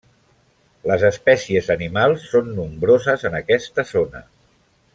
Les espècies animals són nombroses en aquesta zona.